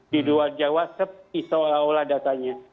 di luar jawa sepisau lah datanya